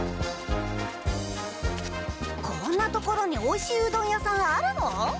こんな所においしいうどん屋さんあるの？